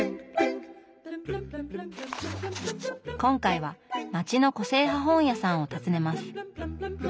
今回は街の個性派本屋さんを訪ねます。